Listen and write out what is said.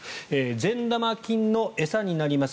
善玉菌の餌になります